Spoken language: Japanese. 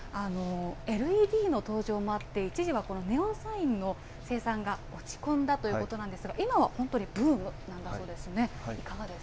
ＬＥＤの登場もあって、一時はこのネオンサインの生産が落ち込んだということなんですが、今は本当にブームなんだそうですね。